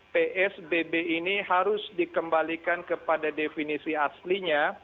psbb ini harus dikembalikan kepada definisi aslinya